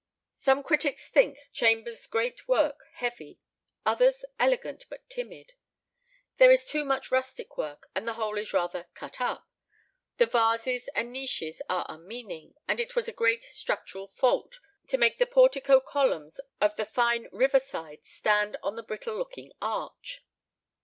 Some critics think Chambers's great work heavy, others elegant but timid. There is too much rustic work, and the whole is rather "cut up." The vases and niches are unmeaning, and it was a great structural fault to make the portico columns of the fine river side stand on a brittle looking arch.